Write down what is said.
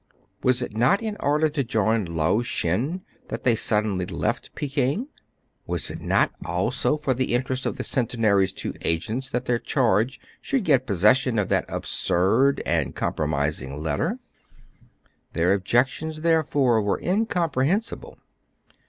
Was it not in order to join Lao Shen that they suddenly left Pekin ? Was it not also for the interest of the Centenary's two agents that their charge should get possession of that absurd and compromising letter } Their objections, therefore, were incomprehensible.